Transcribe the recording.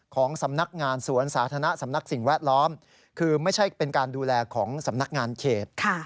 ของสำนักงานสวนสาธารณะสำนักสิ่งแวดล้อมคือไม่ใช่เป็นการดูแลของสำนักงานเขต